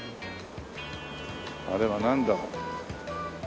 あれはなんだろう？